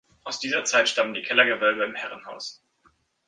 Aus dieser Zeit stammen die Kellergewölbe im Herrenhaus.